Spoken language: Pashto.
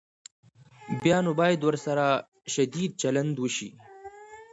بیا نو باید ورسره شدید چلند وشي.